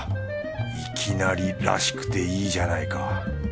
いきなりらしくていいじゃないか。